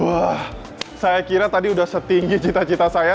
wah saya kira tadi sudah setinggi cita cita saya